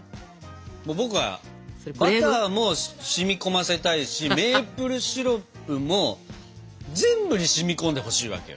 僕はバターも染み込ませたいしメープルシロップも全部に染み込んでほしいわけよ。